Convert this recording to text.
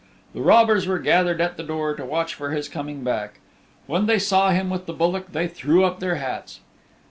The robbers were gathered at the door to watch for his coming back. When they saw him with the bullock they threw up their hats.